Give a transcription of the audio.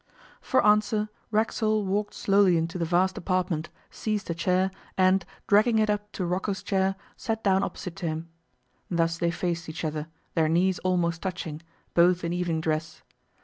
For answer, Racksole walked slowly into the vast apartment, seized a chair, and, dragging it up to Rocco's chair, sat down opposite to him. Thus they faced each other, their knees almost touching, both in evening dress.